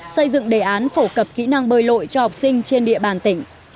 xây dựng đề án phổ cập kỹ năng bơi lội cho học sinh trên địa bàn tỉnh